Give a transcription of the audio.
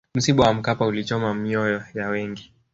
msiba wa mkapa ulichoma mioyo ya wengi